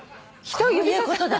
こういうことだ。